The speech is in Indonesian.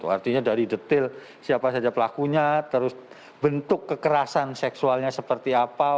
artinya dari detail siapa saja pelakunya terus bentuk kekerasan seksualnya seperti apa